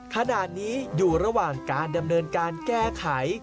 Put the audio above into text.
ขณะนี้อยู่ระหว่างการดำเนินการแก้ไข